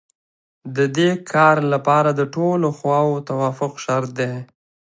د دې کار لپاره د ټولو خواوو توافق شرط دی.